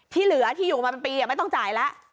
ที่เหลือที่อยู่มาเป็นปีไม่ต้องจ่ายแล้ว